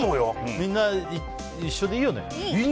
みんな一緒でいいよね。